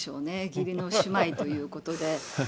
義理の姉妹ということで。